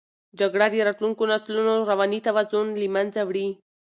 جګړه د راتلونکو نسلونو رواني توازن له منځه وړي.